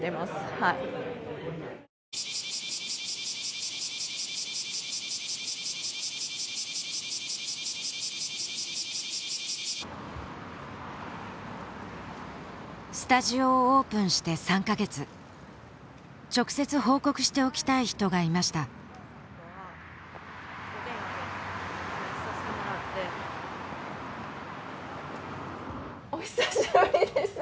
はいスタジオをオープンして３カ月直接報告しておきたい人がいましたお久しぶりです